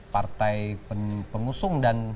partai pengusung dan